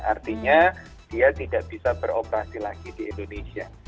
artinya dia tidak bisa beroperasi lagi di indonesia